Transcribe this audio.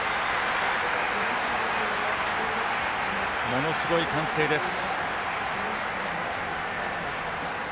ものすごい歓声です。